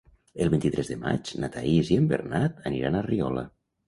El vint-i-tres de maig na Thaís i en Bernat aniran a Riola.